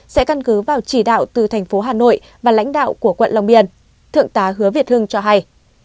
sẽ căn cứ vào chỉ đạo từ thành phố hà nội và lãnh đạo của quận long biên thượng tá hứa việt hưng cho hay